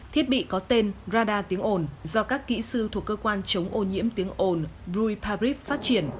thiết bị có tên radar tiếng ồn do các kỹ sư thuộc cơ quan chống ô nhiễm tiếng ồn bruypabrif phát triển